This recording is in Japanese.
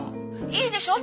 いいでしょ